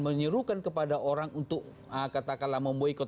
menyuruhkan kepada orang untuk katakanlah memboykot